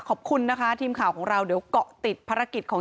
ขอบคุณนะคะทีมข่าวของเราเดี๋ยวเกาะติดภารกิจของ